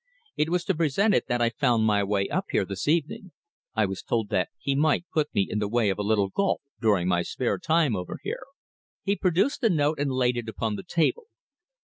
It was to present it that I found my way up here this evening. I was told that he might put me in the way of a little golf during my spare time over here." He produced the note and laid it upon the table.